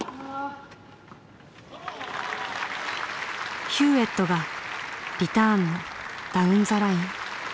ヒューウェットがリターンのダウン・ザ・ライン。